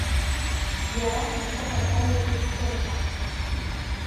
Иаразнак ала далихит Стефа.